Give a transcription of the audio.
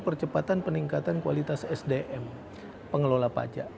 percepatan peningkatan kualitas sdm pengelola pajak